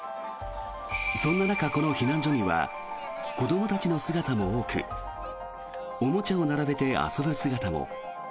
そんな中、この避難所には子どもたちの姿も多くおもちゃを並べて遊ぶ姿も。